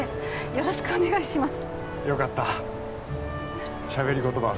よろしくお願いします